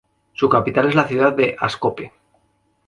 Su capital es la ciudad de Ascope.